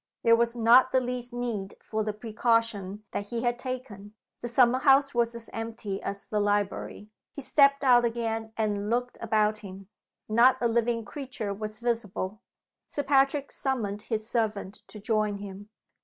There was not the least need for the precaution that he had taken. The summer house was as empty as the library. He stepped out again and looked about him. Not a living creature was visible. Sir Patrick summoned his servant to join him.